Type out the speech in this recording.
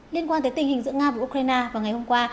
liên quan tới tình hình giữa nga và ukraine vào ngày hôm qua